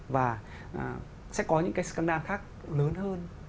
và sẽ có những cái scandal khác lớn hơn